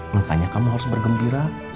makanya kamu harus bergembira